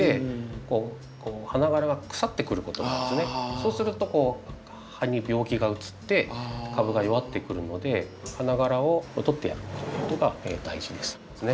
そうすると葉に病気がうつって株が弱ってくるので花がらを取ってやるということが大事ですね。